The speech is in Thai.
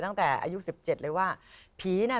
ตั้งแต่อายุ๑๗เลยว่า